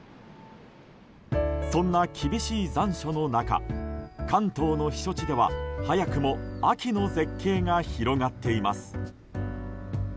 そんな厳しい残暑の中関東の避暑地では早くも秋の絶景が広がっています。